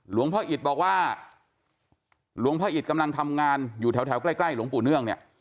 หลวงพ่ออิตบอกว่าหลวงพ่ออิตกำลังทำงานอยู่แถวใกล้หลวงปู่เนื่องเนี่ย